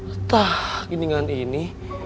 entah gini gak gini